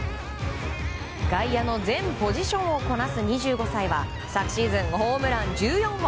外野の全ポジションをこなす２５歳は昨シーズン、ホームラン１４本。